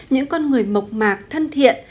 những con người mộc mạc thân thiện